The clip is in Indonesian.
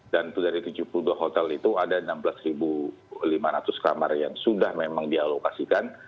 dan dari tujuh puluh dua hotel itu ada enam belas lima ratus kamar yang sudah memang dialokasikan